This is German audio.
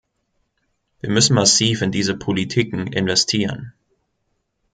Wir müssen massiv in diese Politiken investieren.